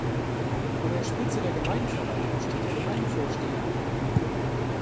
An der Spitze der Gemeindeverwaltung steht der Gemeindevorsteher.